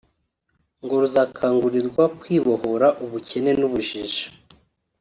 ngo ruzakangurirwa kwibohora ubukene n’ubujiji